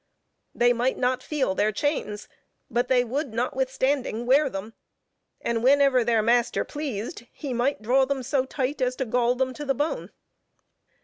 They might not feel their chains, but they would notwithstanding wear them; and whenever their master pleased, he might draw them so tight as to gall them to the bone."